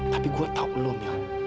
tapi gue tau lu mila